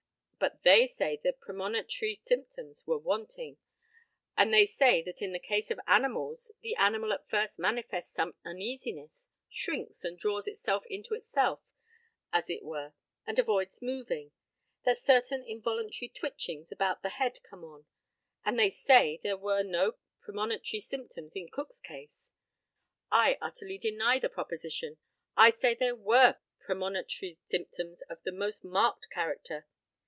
But they say the premonitory symptoms were wanting, and they say that in the case of animals, the animal at first manifests some uneasiness, shrinks, and draws itself into itself as it were, and avoids moving; that certain involuntary twitchings about the head come on and they say there were no premonitory symptoms in Cook's case. I utterly deny the proposition, I say there were premonitory symptoms of the most marked character.